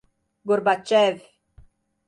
Gorbachev